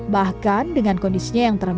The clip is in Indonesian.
bahkan dengan kondisinya yang terbaik